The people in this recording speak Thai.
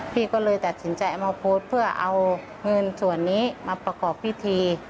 พี่ก็เลยตัดสินใจเอามาโพสต์เพื่อเอาเงินส่วนนี้มาประกอบพิธี